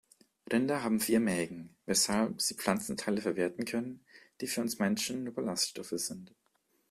Rinder haben vier Mägen, weshalb sie Pflanzenteile verwerten können, die für uns Menschen nur Ballaststoffe sind.